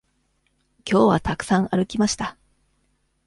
きょうはたくさん歩きました。